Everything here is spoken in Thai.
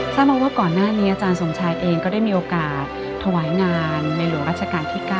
ทราบมาว่าก่อนหน้านี้อาจารย์สมชายเองก็ได้มีโอกาสถวายงานในหลวงราชการที่๙